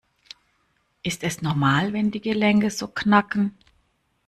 Ist es normal, wenn die Gelenke so knacken?